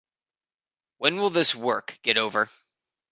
When will this work get over?